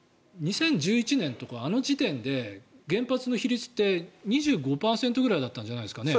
２０１１年とか、あの時点で原発の比率って２５％くらいだったんじゃないですかね。